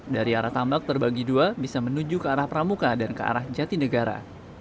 dari arah tambak terbagi dua bisa menuju ke arah pramuka dan ke arah jati negara